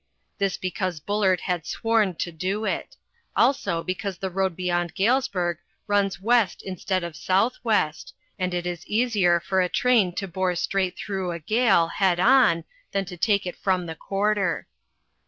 This because Bullard had sworn to do it; also because the road beyond Galesburg runs west instead of southwest, and it is easier for a train to bore straight through a gale, head on, than to take it from the quarter.